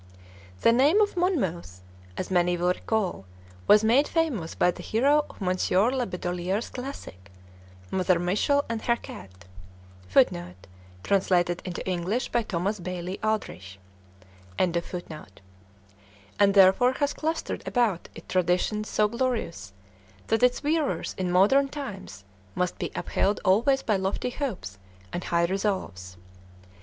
The name of "Monmouth," as many will recall, was made famous by the hero of Monsieur La Bedolierre's classic, "Mother Michel and her Cat," [Footnote: Translated into English by Thomas Bailey Aldrich.] and therefore has clustering about it traditions so glorious that its wearers in modern times must be upheld always by lofty hopes and high resolves.